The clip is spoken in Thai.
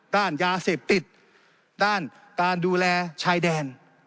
ด้านยาเสพติดด้านการดูแลชายแดน